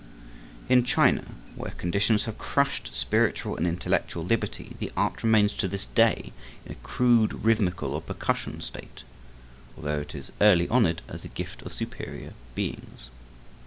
In China, where conditions have crushed spiritual and intellectual liberty, the art remains to this day in a crude rhythmical or percussion state, although it was early honored as the gift of superior beings.